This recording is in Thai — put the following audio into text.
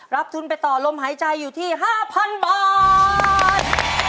รับทุนไปต่อลมหายใจอยู่ที่๕๐๐๐บาท